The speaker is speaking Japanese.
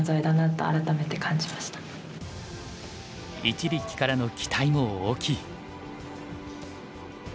一力からの期待も大きい。